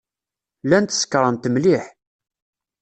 Llant sekṛent mliḥ.